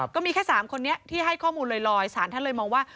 ก็มีแค่๓คนนี้ที่ให้ข้อมูลลอยสารท่านเลยมองว่า